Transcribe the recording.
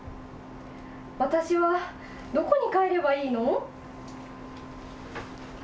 私はどこに帰ればいいの？